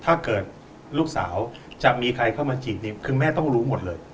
ถ้าเกิดลูกสาวจะมีใครเข้ามาจีบคือแม่ต้องรู้หมดเลย